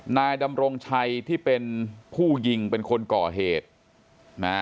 นายดำรงชัยที่เป็นผู้ยิงเป็นคนก่อเหตุนะ